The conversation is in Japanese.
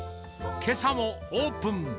けさもオープン。